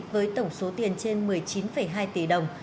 với tổng số tiền trên một mươi chín hai tỷ đồng